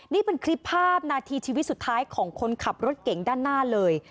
นี่เป็นคลิปภาพนาทีชีวิตสุดท้ายของคนขับรถเก่งด้านหน้าเลย